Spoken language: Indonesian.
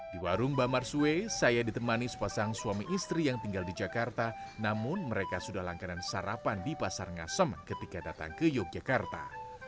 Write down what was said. di warung bamar sue saya ditemani sepasang suami istri yang tinggal di jakarta namun mereka sudah langganan sarapan di pasar ngasem ketika datang ke yogyakarta